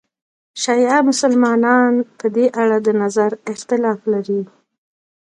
شیعه مسلمانان په دې اړه د نظر اختلاف لري.